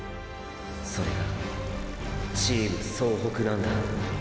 それがチーム総北なんだ。